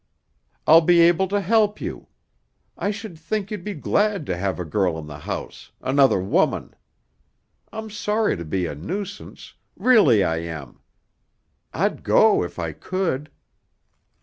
I'll be able to help you. I should think you'd be glad to have a girl in the house another woman. I'm sorry to be a nuisance, really I am. I'd go if I could."